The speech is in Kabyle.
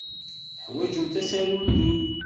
Teḥwajemt tasarut-nni?